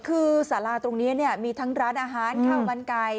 คือสาลาตรงนี้เนี่ยมีทั้งร้านอาหารข้าวบรรไกร